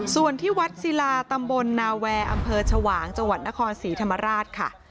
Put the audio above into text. ส่วนที่วัดศิลาตำบลหนาแวร์อำเภอชวางจนครสีธรรมราชค่ะ